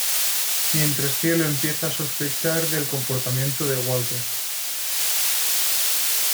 Mientras, 'Cielo' empieza a sospechar del comportamiento de Walter.